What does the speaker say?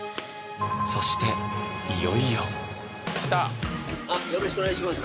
そしていよいよあっよろしくお願いします